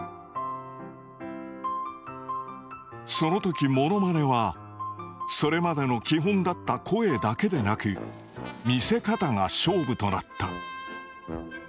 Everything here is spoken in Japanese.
その時モノマネはそれまでの基本だった声だけでなく見せ方が勝負となった。